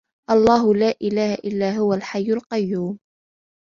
الله لا إله إلا هو الحي القيوم